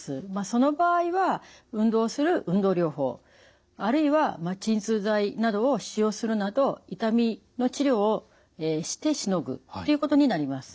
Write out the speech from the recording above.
その場合は運動する運動療法あるいは鎮痛剤などを使用するなど痛みの治療をしてしのぐっていうことになります。